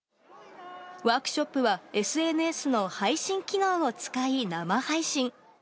ワークショップはＳＮＳの配信機能を使い、生配信。